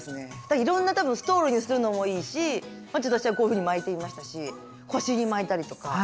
いろんな多分ストールにするのもいいし私はこういうふうに巻いてみましたし腰に巻いたりとかいろんな用途がありますよね。